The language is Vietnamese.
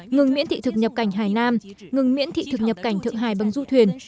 ngừng miễn thị thực nhập cảnh hải nam ngừng miễn thị thực nhập cảnh thượng hải bằng du thuyền